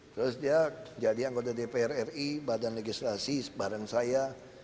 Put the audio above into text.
terus dia jadi anggota dpr ri badan legislasi bareng saya